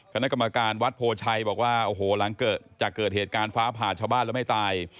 คณะกรรมการวัดโพชัยบอกว่าโอ้โหหลังจากเกิดเหตุการณ์ฟ้าผ่าชาวบ้านแล้วไม่ตาย